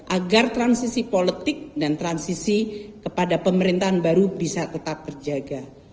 agar transisi politik dan transisi kepada pemerintahan baru bisa tetap terjaga